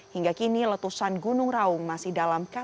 hingga kini letusan gunung raungnya